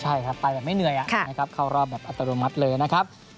ใช่ครับไปแบบไม่เหนื่อยนะครับเข้ารอบแบบอัตโนมัติเลยนะครับ